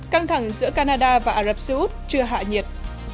căng thẳng giữa canada và ả rập xê út chưa hạ nhiệt